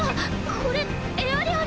これエアリアル。